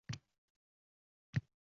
Bo‘lmasa, kim tosh otdi?